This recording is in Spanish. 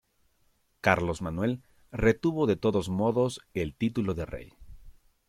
Carlos Manuel retuvo de todos modos el título de rey.